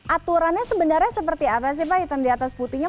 aturannya sebenarnya seperti apa sih pak hitam di atas putihnya